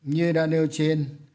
như đã nêu trên